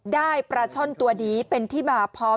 ได้ปลาช่อนตัวนี้เป็นที่มาพร้อม